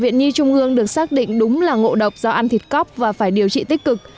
bệnh nhi trung ương được xác định đúng là ngộ độc do ăn thịt cóc và phải điều trị tích cực